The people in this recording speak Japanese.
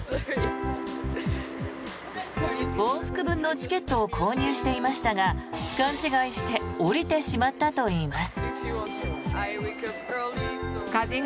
往復分のチケットを購入していましたが勘違いして降りてしまったといいます。